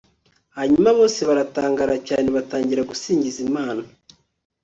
hanyuma bose baratangara cyane batangira gusingiza imana